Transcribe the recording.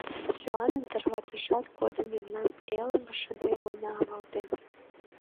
Сӱаным тарватышат годым мемнан элым шыде война авалтен.